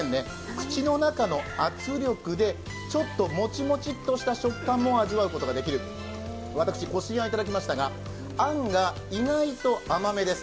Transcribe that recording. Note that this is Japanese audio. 口の中の圧力でちょっともちもちっとした食感も味わうことができる、私、こしあんをいただきましたがあんが意外と甘めです。